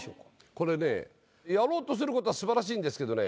これねやろうとすることは素晴らしいんですけどね